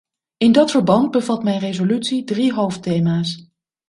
In dat verband bevat mijn resolutie drie hoofdthema's.